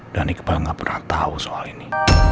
dan iqbal gak pernah tau soal ini